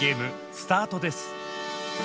スタートです！